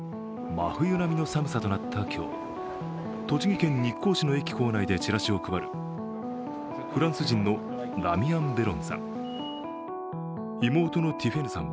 真冬並みの寒さとなった今日、栃木県日光市の駅構内でチラシを配るフランス人のダミアン・ベロンさん。